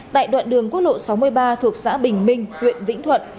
tại đoạn đường quốc lộ sáu mươi ba thuộc xã bình minh huyện vĩnh thuận